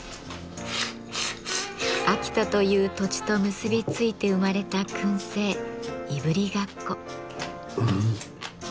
秋田という土地と結び付いて生まれた燻製いぶりがっこ。